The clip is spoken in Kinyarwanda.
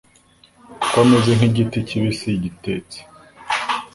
Ko ameze nk'igiti kibisi gitetse